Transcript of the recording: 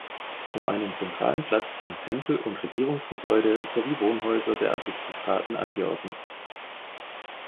Um einen zentralen Platz sind Tempel und Regierungsgebäude, sowie Wohnhäuser der Aristokraten angeordnet.